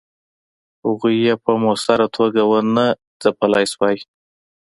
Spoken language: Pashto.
هغوی یې په موثره توګه ونه ځپلای سوای.